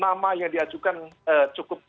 namanya diajukan cukup